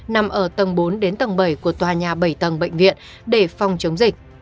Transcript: nằm ở tầng bốn đến tầng bảy của tòa nhà bảy tầng bệnh viện để phòng chống dịch